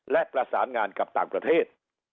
และประสานงานกับต่างประเทศ